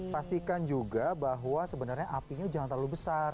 pastikan juga bahwa sebenarnya apinya jangan terlalu besar